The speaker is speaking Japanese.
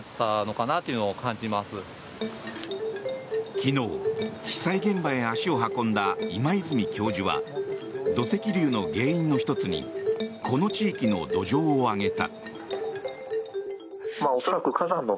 昨日、被災現場へ足を運んだ今泉教授は土石流の原因の１つにこの地域の土壌を挙げた。